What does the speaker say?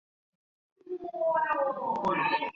寺岛实郎出生于日本北海道雨龙郡沼田町。